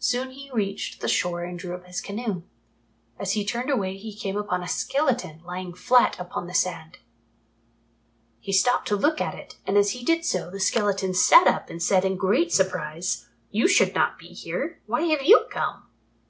Soon he reached the shore and drew up his canoe. As he turned away he came upon a skeleton lying flat upon the sand. He stopped to look at it, and as he did so, the skeleton sat up and said in great surprise, "You should not be here. Why have you come?"